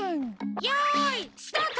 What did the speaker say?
よいスタート！